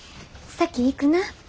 先行くな。